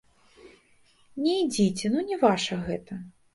Не ідзіце, ну не ваша гэта.